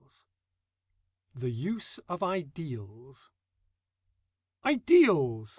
THE USE OF IDEALS "Ideals!"